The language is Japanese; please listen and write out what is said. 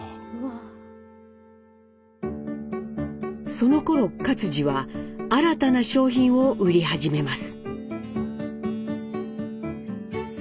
そのころ克爾は新たな商品を売り始めます。